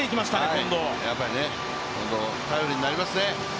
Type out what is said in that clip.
近藤、頼りになりますね。